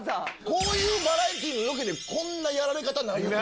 こういうバラエティーのロケでこんなやられ方ないよね？